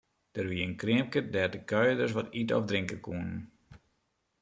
Der wie in kreamke dêr't de kuierders wat ite of drinke koene.